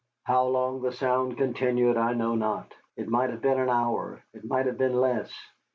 How long the sound continued I know not, it might have been an hour, it might have been less.